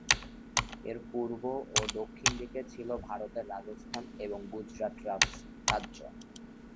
এর পূর্ব ও দক্ষিণ দিকে ছিল ভারতের রাজস্থান এবং গুজরাট রাজ্য।